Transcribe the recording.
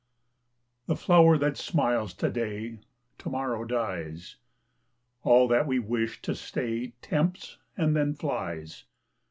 The flower that smiles to day To morrow dies; All that we wish to stay Tempts and then flies.